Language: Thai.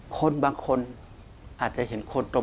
คนบางคนอาจจะเห็นคนตรง